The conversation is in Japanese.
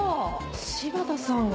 柴田さんが。